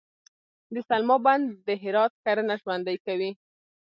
د سلما بند د هرات کرنه ژوندي کوي